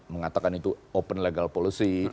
mengatakan itu open legal policy